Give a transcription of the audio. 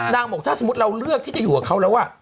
บอกถ้าสมมุติเราเลือกที่จะอยู่กับเขาแล้ว